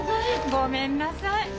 ごめんなさい。